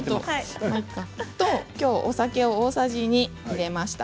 お酒を大さじ２入れました。